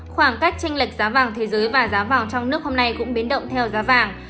khoảng cách tranh lệch giá vàng thế giới và giá vàng trong nước hôm nay cũng biến động theo giá vàng